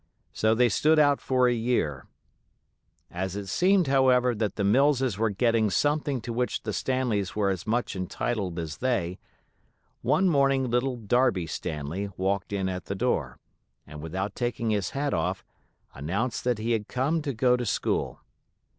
So they stood out for a year. As it seemed, however, that the Millses were getting something to which the Stanleys were as much entitled as they, one morning little Darby Stanley walked in at the door, and without taking his hat off, announced that he had come to go to school.